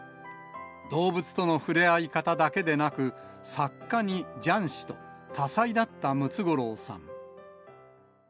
動物との触れ合い方だけでなく、作家に雀士と、多才だったムツゴロウさん。